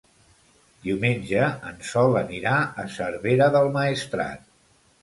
Diumenge en Sol anirà a Cervera del Maestrat.